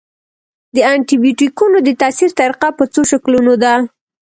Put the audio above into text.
د انټي بیوټیکونو د تاثیر طریقه په څو شکلونو ده.